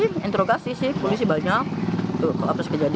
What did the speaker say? mungkin dilakukan oleh anggota sebuah pageran multikredit